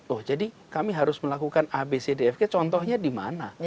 oh jadi kami harus melakukan abcdfk contohnya di mana